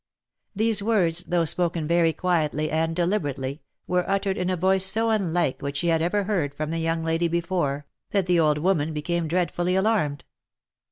These words though spoken very quietly and deliberately, were ut tered in a voice so unlike what she had ever heard from the young lady before, that the old woman became dreadfully alarmed.